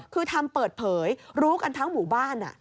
คือทำเปิดเผยรู้กันทั้งหมู่บ้าน